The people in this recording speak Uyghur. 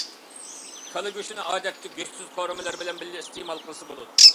كالا گۆشىنى ئادەتتە گۆشسىز قورۇمىلار بىلەن بىللە ئىستېمال قىلسا بولىدۇ.